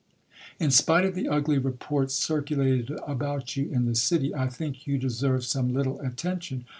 In spite of the ugly reports circulated about you in the city, I think you deserve some little attention.